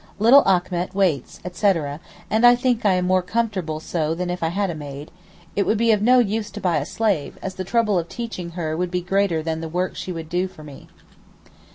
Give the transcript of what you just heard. Little Achmet waits, etc., and I think I am more comfortable so than if I had a maid,—it would be no use to buy a slave, as the trouble of teaching her would be greater than the work she would do for me.